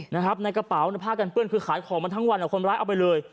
ในกระเป๋าผ้ากันเปื้อนคือขายของมาทั้งวันคนร้ายเอาไปเลย